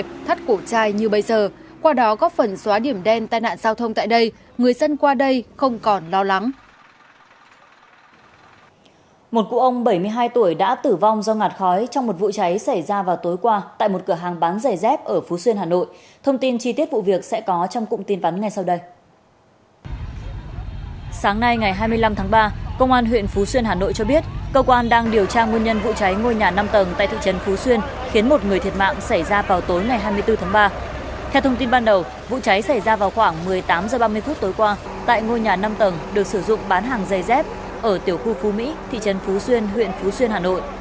vụ cháy xảy ra vào khoảng một mươi tám h ba mươi phút tối qua tại ngôi nhà năm tầng được sử dụng bán hàng dây dép ở tiểu khu phú mỹ thị trấn phú xuyên huyện phú xuyên hà nội